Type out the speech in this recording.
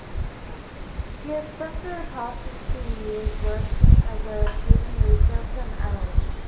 He has spent the past sixteen years working as a Sudan researcher and analyst.